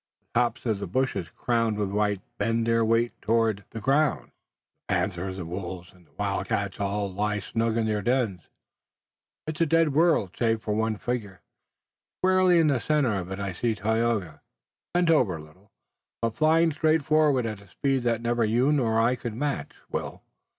The tops of the bushes crowned with white bend their weight toward the ground, the panthers, the wolves, and the wildcats all lie snug in their dens. It's a dead world save for one figure. Squarely in the center of it I see Tayoga, bent over a little, but flying straight forward at a speed that neither you nor I could match, Will.